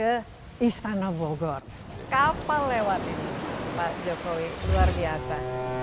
kapal lewat ini pak jokowi luar biasa